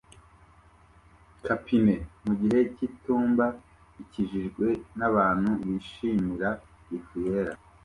Kabine mu gihe cy'itumba ikikijwe n'abantu bishimira ifu yera